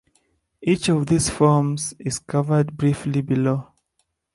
Each of these forms is covered briefly below.